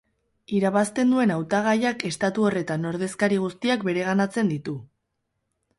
Irabazten duen hautagaiak estatu horretan ordezkari guztiak bereganatzen ditu.